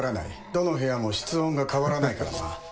どの部屋も室温が変わらないからな